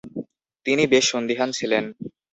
তিনি বেশ সন্দিহান ছিলেন।